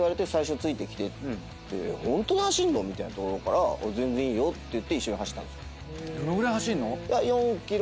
ホントに走んの⁉みたいなところから全然いいよって言って一緒に走ったんですよ。